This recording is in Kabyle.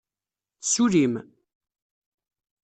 Tessullim?